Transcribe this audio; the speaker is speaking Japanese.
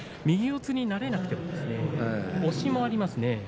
右四つになれなくても押しもありますね。